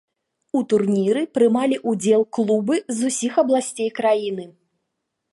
У турніры прымалі ўдзел клубы з усіх абласцей краіны.